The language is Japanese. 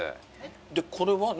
でこれは何？